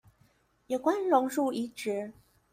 有關榕樹移植